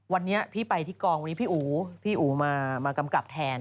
วันนี้ที่ไปที่กองพี่อูมากำกับแทน